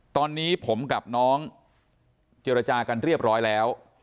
ตอนนี้ผมกับน้องเจรจากันเรียบร้อยแล้ว